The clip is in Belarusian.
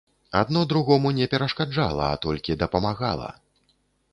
Адно другому не перашкаджала, а толькі дапамагала.